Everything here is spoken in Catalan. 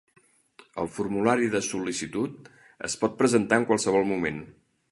El formulari de sol·licitud es pot presentar en qualsevol moment.